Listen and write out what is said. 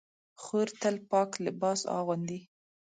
خور تل پاک لباس اغوندي.